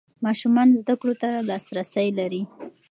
ماشومان زده کړو ته لاسرسی لري.